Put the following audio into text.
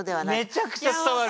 めちゃくちゃ伝わる。